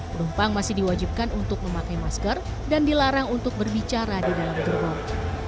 penumpang masih diwajibkan untuk memakai masker dan dilarang untuk berbicara di dalam gerbong